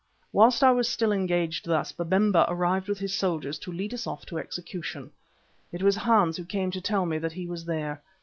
Whilst I was still engaged thus Babemba arrived with his soldiers to lead us off to execution. It was Hans who came to tell me that he was there.